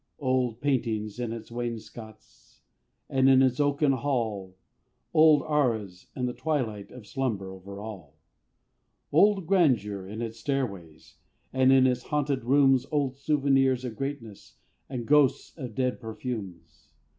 Old paintings on its wainscots, And, in its oaken hall, Old arras; and the twilight Of slumber over all. Old grandeur on its stairways; And, in its haunted rooms, Old souvenirs of greatness, And ghosts of dead perfumes.